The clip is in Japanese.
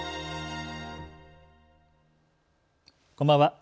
こんばんは。